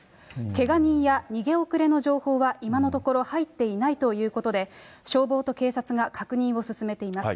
けが人や逃げ遅れの情報は今のところ入っていないということで、消防と警察が確認を進めています。